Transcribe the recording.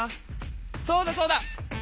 そうだそうだ！